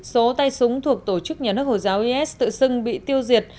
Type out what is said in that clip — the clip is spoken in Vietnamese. số tay súng thuộc tổ chức nhà nước hồi giáo is tự xưng bị tiêu diệt